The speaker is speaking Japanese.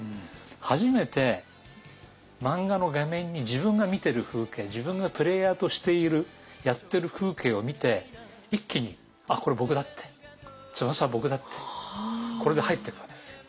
初めて漫画の画面に自分が見てる風景自分がプレーヤーとしているやってる風景を見て一気に「あっこれ僕だ」って「翼は僕だ」ってこれで入っていくわけですよ。